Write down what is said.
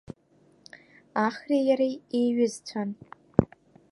Ахреи иареи еиҩызцәан.